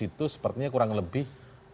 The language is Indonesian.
itu sepertinya kurang lebih